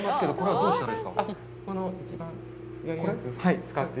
はい。